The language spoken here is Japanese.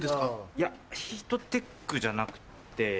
いやヒートテックじゃなくって。